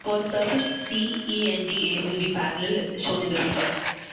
For surface c, E and dA will be parallel, as shown in the figure.